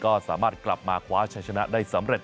ก็สามารถกลับมาคว้าชัยชนะได้สำเร็จ